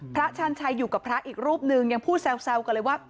ชันชัยอยู่กับพระอีกรูปนึงยังพูดแซวกันเลยว่า